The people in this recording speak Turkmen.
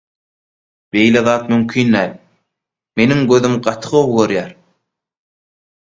Beýle zat mümkin däl, meniň gözüm gaty gowy görýär.